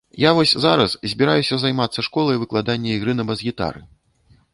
Я вось зараз збіраюся займацца школай выкладання ігры на бас-гітары.